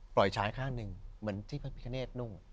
ปล่อยชายข้างหนึ่งเหมือนที่พระพิกาเนสนุ่ม